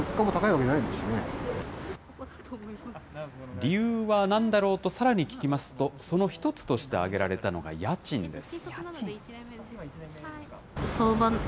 理由は何だろうと、さらに聞きますと、その一つとして挙げられたのが家賃です。